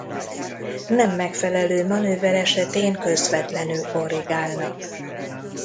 Nem megfelelő manőver esetén közvetlenül korrigálnak.